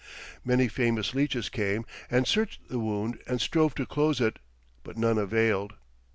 Many famous leeches came and searched the wound and strove to close it, but none availed.